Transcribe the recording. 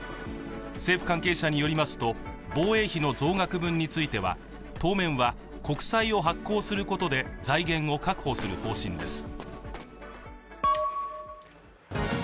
政府関係者によりますと防衛費の増額分については当面は国債を発行することで財源を確保する方針です。